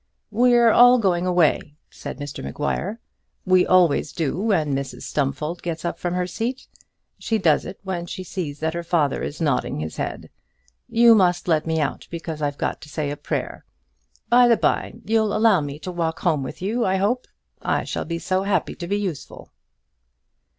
"We are all going away," said Mr Maguire. "We always do when Mrs Stumfold gets up from her seat. She does it when she sees that her father is nodding his head. You must let me out, because I've got to say a prayer. By the bye, you'll allow me to walk home with you, I hope. I shall be so happy to be useful."